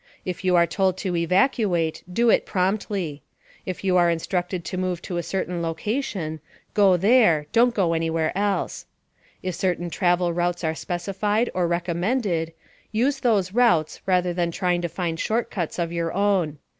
If you are told to evacuate, do so promptly. If you are instructed to move to a certain location, go there don't go anywhere else. If certain travel routes are specified or recommended, use those routes rather than trying to find short cuts of your own.